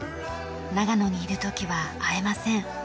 長野にいるときは会えません。